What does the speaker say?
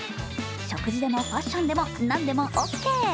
食事でもファッションでもなんでもオッケー。